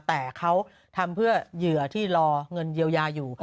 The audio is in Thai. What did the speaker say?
แต่เขาทำเพื่อเหยื่อที่รอเงินเยียวยาอยู่